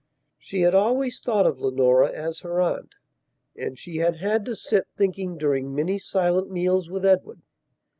(She had always thought of Leonora as her aunt.) And she had had to sit thinking during many silent meals with Edward.